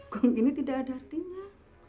kaum ini tidak ada artinya